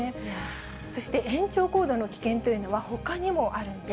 そして延長コードの危険というのはほかにもあるんです。